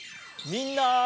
みんな！